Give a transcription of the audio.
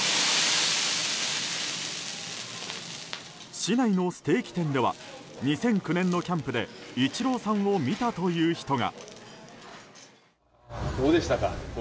市内のステーキ店では２００９年のキャンプでイチローさんを見たという人が。